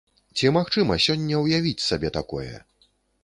Ці магчыма сёння ўявіць сабе такое?